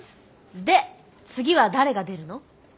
で次は誰が出るの？